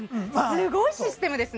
すごいシステムですね。